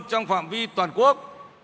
trong phạm vi toàn quốc